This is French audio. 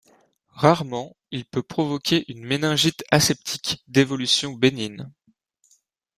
Rarement, il peut provoquer une méningite aseptique d'évolution bénigne.